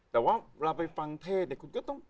แต่ว่าเวลาไปฟังเทศเนี่ยคุณก็ต้อง